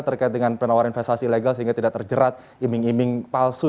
terkait dengan penawaran investasi ilegal sehingga tidak terjerat iming iming palsu